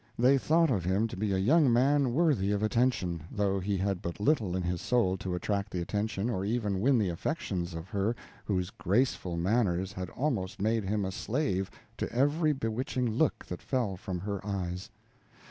They thought him to be a young man worthy of attention, though he had but little in his soul to attract the attention or even win the affections of her whose graceful manners had almost made him a slave to every bewitching look that fell from her eyes.